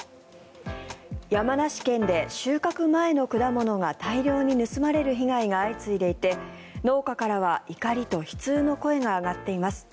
山梨県で収穫前の果物が大量に盗まれる被害が相次いでいて農家からは怒りと悲痛の声が上がっています。